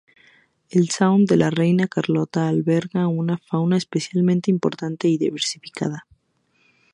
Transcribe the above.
El sound de la Reina Carlota alberga una fauna especialmente importante y diversificada.